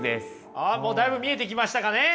ああもうだいぶ見えてきましたかね。